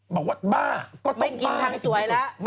บอดบ้าไม่กินทางสวยล่ะ